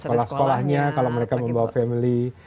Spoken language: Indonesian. kepala sekolahnya kalau mereka membawa family